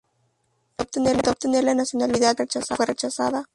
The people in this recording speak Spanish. Intentó obtener la nacionalidad pero le fue rechazada.